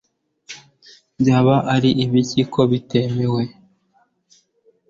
Byaba ari ibiki ko bitemewe